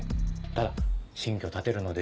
ただ新居を建てるので。